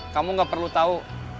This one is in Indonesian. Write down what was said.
kamu gak perlu tau